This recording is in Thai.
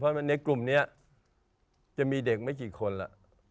เพราะว่าในกลุ่มเนี่ยจะมีเด็กไม่กี่คนละ